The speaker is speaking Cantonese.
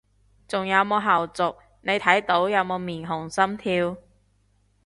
仲有冇後續，你睇到有冇面紅心跳？